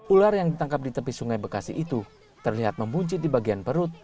ular yang ditangkap di tepi sungai bekasi itu terlihat membuncit di bagian perut